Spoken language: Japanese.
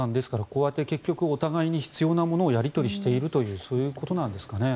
こうやって結局お互いに必要なものをやり取りしているというそういうことなんですかね。